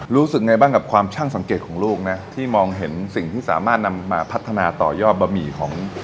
รู้สึกไงบ้างกับความช่างสังเกตของลูกนะที่มองเห็นสิ่งที่สามารถนำมาพัฒนาต่อยอดบะหมี่ของ